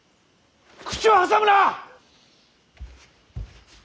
口を挟むな！